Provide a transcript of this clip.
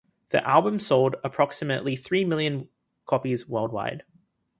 The album sold approximately three million copies worldwide.